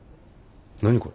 何これ？